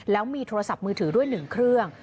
แล้วมีโทรศัพท์มือถือด้วย๑เครื่อง